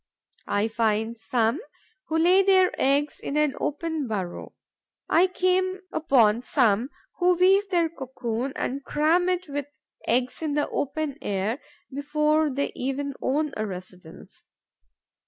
I find some who lay their eggs in an open burrow; I come upon some who weave their cocoon and cram it with eggs in the open air, before they even own a residence.